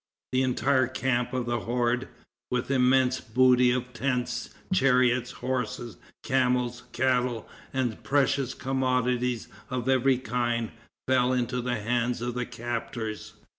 The entire camp of the horde, with immense booty of tents, chariots, horses, camels, cattle and precious commodities of every kind, fell into the hands of the captors.